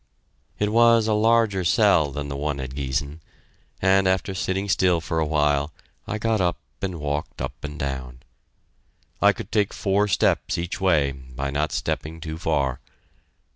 It was a larger cell than the one at Giessen, and after sitting still for a while I got up and walked up and down. I could take four steps each way, by not stepping too far.